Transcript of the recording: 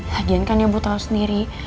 lagian kan ibu tau sendiri